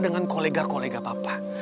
dengan kolega kolega papa